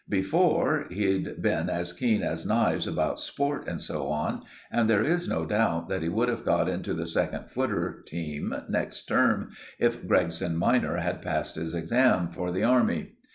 Before, he'd been as keen as knives about sport and so on, and there is no doubt that he would have got into the second footer team next term if Gregson minor had passed his exam. for the army.